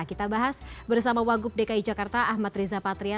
kita bahas bersama wagub dki jakarta ahmad riza patria